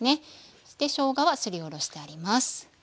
そしてしょうがはすりおろしてあります。